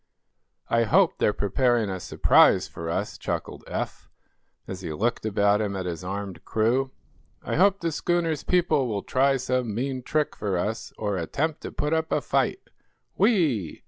"I hope they're preparing a surprise for us," chuckled Eph, as he looked about him at his armed crew. "I hope the schooner's people will try some mean trick for us, or attempt to put up a fight. Whee!"